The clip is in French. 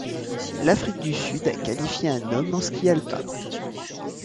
L'Afrique du Sud a qualifié un homme en ski alpin.